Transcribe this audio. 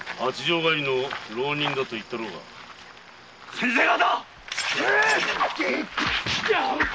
先生方！